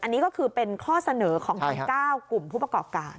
อันนี้ก็คือเป็นข้อเสนอของทั้ง๙กลุ่มผู้ประกอบการ